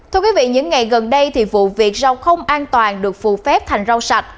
thưa quý vị những ngày gần đây thì vụ việc rau không an toàn được phù phép thành rau sạch